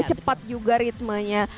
cepat juga ritmenya